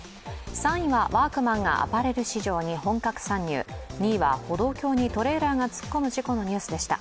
３位はワークマンがアパレル市場に本格参入２位は歩道橋にトレーラーが突っ込む事故のニュースでした。